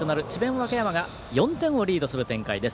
和歌山が４点をリードする展開です。